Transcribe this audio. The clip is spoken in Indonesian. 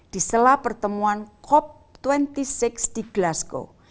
di sela pertemuan cop dua puluh enam di glasgow